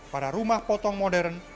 pada rumah potong modern